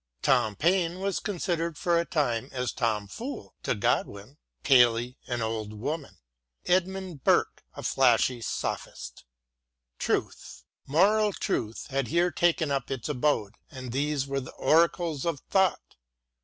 Tom Paine was considered for a time as Tom Fool to Godwin ; Paley an old woman, Edmund 70 WILLIAM GODWIN AND Burke a flashy sophist. Truth, moral truth had here taken up its abode and these were the oracles of thought.